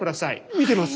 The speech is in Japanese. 見てます。